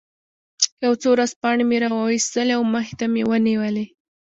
یو څو ورځپاڼې مې را وویستلې او مخې ته مې ونیولې.